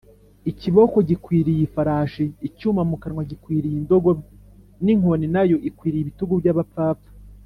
ikibōko gikwiriye ifarashi, icyuma mu kanwa gikwiriye indogobe, n’inkoni na yo ikwiriye ibitugu by’abapfapfa